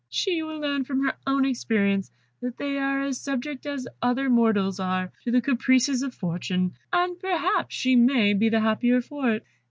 She will learn from her own experience that they are as subject as other mortals are to the caprices of Fortune, and perhaps she may be the happier for it."